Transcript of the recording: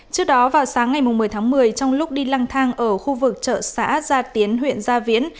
trước đó vào sáng ngày một mươi tháng một mươi trong lúc đi lang thang ở khu vực chợ xã gia tiến huyện gia viễn